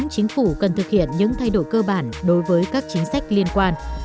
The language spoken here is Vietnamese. chính phủ cần thực hiện những thay đổi cơ bản đối với các chính sách liên quan